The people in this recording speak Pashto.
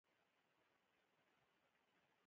• د مسواک کول د غاښونو ساتنه تضمینوي.